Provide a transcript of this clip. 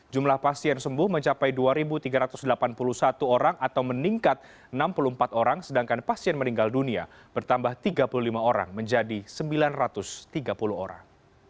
jumlah pasien sembuh mencapai dua tiga ratus delapan puluh satu orang atau meningkat enam puluh empat orang sedangkan pasien meninggal dunia bertambah tiga puluh lima orang menjadi sembilan ratus tiga puluh orang